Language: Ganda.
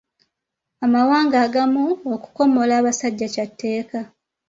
Amawanga agamu, okukomola abasajja kya tteeka.